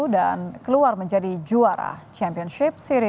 dan keluar menjadi juara championship series liga satu tahun dua ribu dua puluh empat